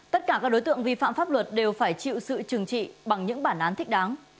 tất cả các đối tượng vi phạm pháp luật đều phải chịu sự trừng trị bằng những bản án thích đáng